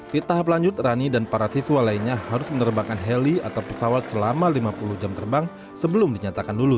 di tahap lanjut rani dan para siswa lainnya harus menerbangkan heli atau pesawat selama lima puluh jam terbang sebelum dinyatakan lulus